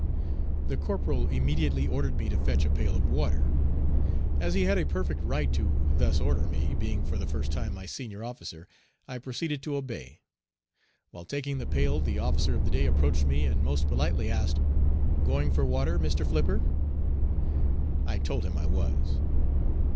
The corporal immediately ordered me to fetch a pail of water. As he had a perfect right to thus order me, being for the time my senior officer, I proceeded to obey. While taking the pail the officer of the day approached me and most politely asked: "Going for water, Mr. Flipper?" I told him I was.